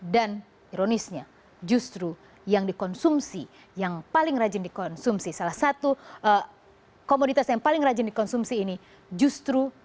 dan ironisnya justru yang dikonsumsi yang paling rajin dikonsumsi salah satu komoditas yang paling rajin dikonsumsi ini justru merupakan perokok